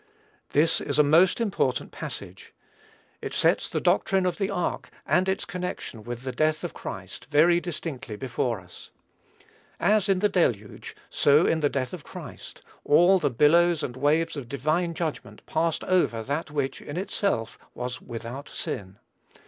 This is a most important passage. It sets the doctrine of the ark and its connection with the death of Christ very distinctly before us. As in the Deluge, so in the death of Christ, all the billows and waves of divine judgment passed over that which, in itself, was without sin.